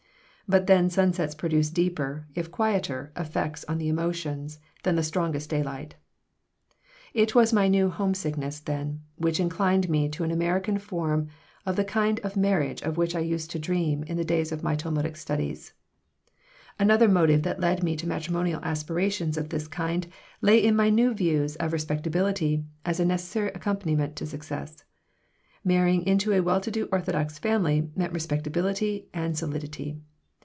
But then sunsets produce deeper, if quieter, effects on the emotions than the strongest daylight It was my new homesickness, then, which inclined me to an American form of the kind of marriage of which I used to dream in the days of my Talmudic studies. Another motive that led me to matrimonial aspirations of this kind lay in my new ideas of respectability as a necessary accompaniment to success. Marrying into a well to do orthodox family meant respectability and solidity.